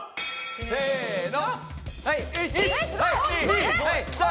せの！